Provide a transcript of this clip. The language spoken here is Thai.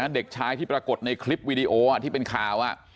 เด็กชายที่ปรากฏในคลิปวีดีโอที่เป็นข่าว